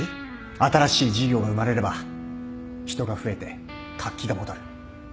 新しい事業が生まれれば人が増えて活気が戻る